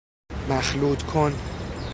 مخلوط کن